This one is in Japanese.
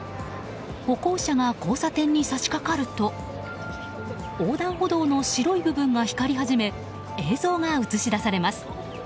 歩行者が交差点に差し掛かると横断歩道の白い部分が光り始め映像が映し出されます。